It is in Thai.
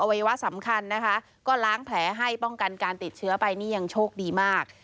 วัยวะสำคัญนะคะก็ล้างแผลให้ป้องกันการติดเชื้อไปนี่ยังโชคดีมาก